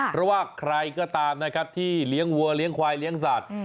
เพราะว่าใครก็ตามนะครับที่เลี้ยงวัวเลี้ยงควายเลี้ยงสัตว์